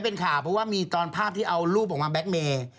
เพราะว่ามีตอนภาพที่เอารูปออกมาแบล็กเมย์